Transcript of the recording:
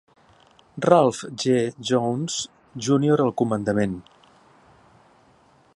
Ralph G. Johns, Junior al comandament.